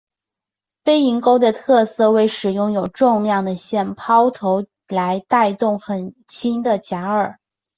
飞蝇钓的特色为使用有重量的线抛投来带动很轻的假饵。